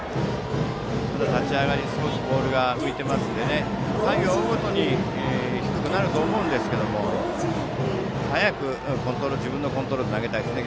立ち上がり少しボールが浮いていますので回を追うごとに低くなるとは思うんですけれども早く自分のコントロールで投げたいですね。